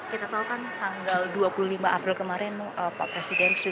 kita tahu kan tanggal dua puluh lima april kemarin pak presiden